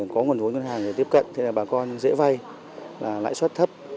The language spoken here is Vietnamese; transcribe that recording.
có nguồn vốn ngân hàng tiếp cận bà con dễ vay lãi suất thấp